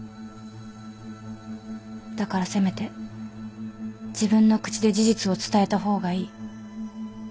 だからせめて自分の口で事実を伝えた方がいい。